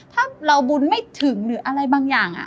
ถ้าเราบุญไม่ถึงหรืออะไรบางอย่าง